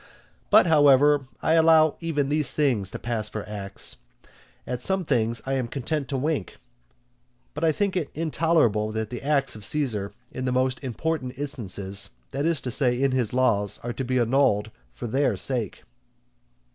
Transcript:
But, however, I allow even these things to pass for acts; at some things I am content to wink; but I think it intolerable that the acts of Caesar in the most important instances, that is to say, in his laws, are to be annulled for their sake.